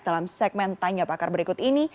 dalam segmen tanya pakar berikut ini